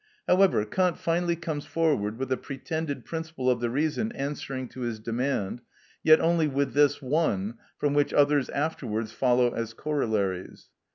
However, Kant finally comes forward with a pretended principle of the reason answering to his demand, yet only with this one, from which others afterwards follow as corollaries.